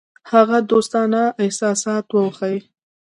هغه دوستانه احساسات وښيي.